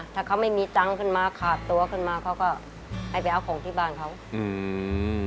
ถ้าเขาไม่มีตังค์ขึ้นมาขาดตัวขึ้นมาเขาก็ให้ไปเอาของที่บ้านเขาอืม